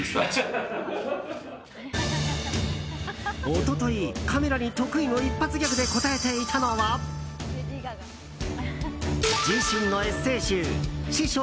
一昨日、カメラに得意の一発ギャグで応えていたのは自身のエッセー集「師匠！